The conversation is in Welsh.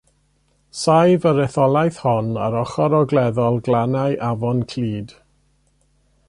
Saif yr etholaeth hon ar ochr ogleddol glannau Afon Clud.